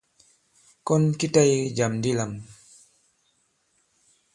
Kɔn ki ta yege jàm di lām.